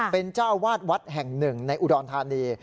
เป็นเจ้าวาดวัดแห่งหนึ่งในอุดรธานี